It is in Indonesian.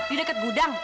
di dekat gudang